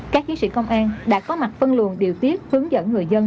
các chiến sĩ công an đã có mặt phân luồn điều tiết hướng dẫn người dân